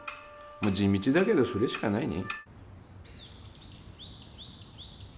地道だけどそれしかないね。